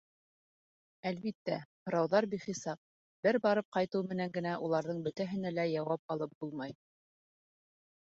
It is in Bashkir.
Әлбиттә, һорауҙар бихисап, бер барып ҡайтыу менән генә уларҙың бөтәһенә лә яуап алып булмай.